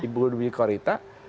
ibu dwi korita